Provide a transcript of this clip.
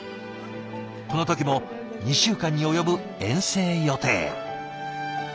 この時も２週間に及ぶ遠征予定。